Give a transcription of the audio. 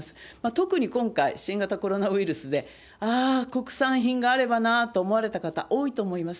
特に今回、新型コロナウイルスで、ああ、国産品があればなと思われた方、多いと思います。